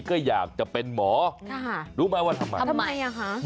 ก็อยากจะเป็นหมอค่ะรู้ไหมว่าทำไมทำไมอ่ะคะ